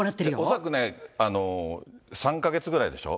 恐らくね、３か月ぐらいでしょ。